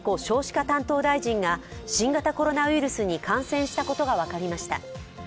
少子化担当大臣が新型コロナウイルスに感染したことが分かりました。